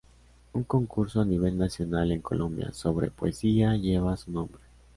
Un concurso a nivel nacional en Colombia, sobre poesía, lleva su nombre.